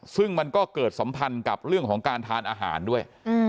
ซึ่งมันก็เกิดสัมพันธ์กับเรื่องของการทานอาหารด้วย